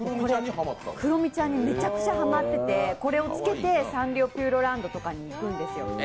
クロミちゃにめちゃくちゃハマっててこれをつけてサンリオピューロランドとかに行くんですよ。